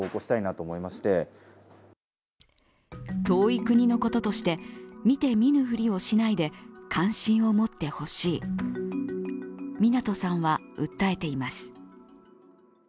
遠い国のこととして見て見ぬふりをしないで関心を持ってほしい、湊さんは訴えています。